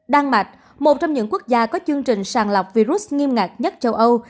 đan mạch một trong những quốc gia có chương trình sàn lọc virus nghiêm ngạc nhất châu âu